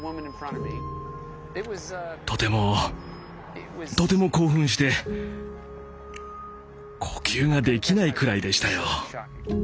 とてもとても興奮して呼吸ができないくらいでしたよ。